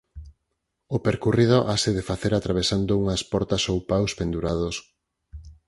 O percorrido hase de facer atravesando unhas portas ou paus pendurados.